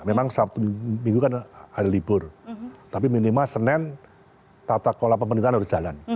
memang sabtu minggu kan ada libur tapi minima senin tata kola pemerintahan harus jalan